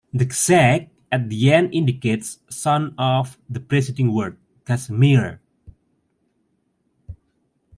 The "czak" at the end indicates "son of" the preceding word, "Kazmier".